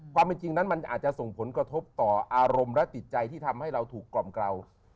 ความเป็นจริงนั้นมันอาจจะส่งผลกระทบต่ออารมณ์และติดใจที่ทำให้เราถูกกล่อมกล่าว